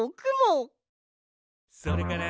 「それから」